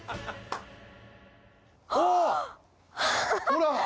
ほら。